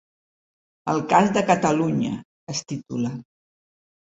El cas de Catalunya, es titula.